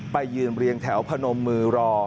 ไปยืนเรียงแถวพนมมือรอ